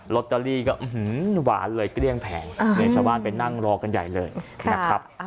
ลอตเตอรี่ก็อื้อหือหือหือหือหือหือน้ำชาวบ้านไปนั่งรอกันใหญ่เลยนะครับ